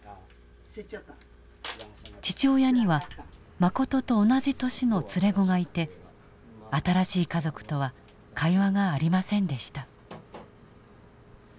父親にはマコトと同じ年の連れ子がいて新しい家族とは会話がありませんでした。